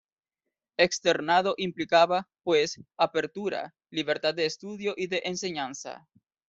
Externado implicaba, pues, apertura, libertad de estudio y de enseñanza.